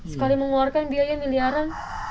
sekali mengeluarkan biaya miliaran